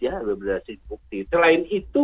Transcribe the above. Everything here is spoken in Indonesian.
ya beberapa bukti selain itu